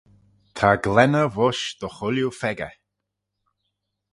Ta glenney voish dy chooilley pheccah.